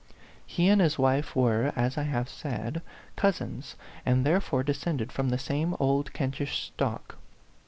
He and his wife were, as I have said, cous ins, and therefore descended from the same old Kentish stock.